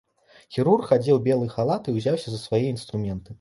Хірург адзеў белы халат і ўзяўся за свае інструменты.